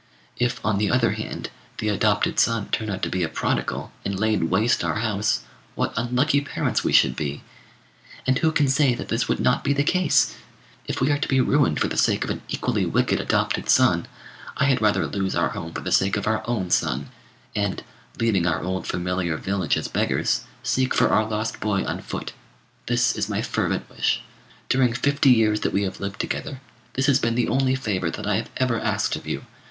If, on the other hand, the adopted son turned out to be a prodigal, and laid waste our house, what unlucky parents we should be! And who can say that this would not be the case? If we are to be ruined for the sake of an equally wicked adopted son, I had rather lose our home for the sake of our own son, and, leaving out old familiar village as beggars, seek for our lost boy on foot. This is my fervent wish. During fifty years that we have lived together, this has been the only favour that I have ever asked of you.